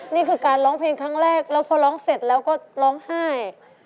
นี่คือการร้องเพลงครั้งแรกแล้วพอร้องเสร็จแล้วก็ร้องไห้